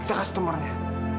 kita kasih temannya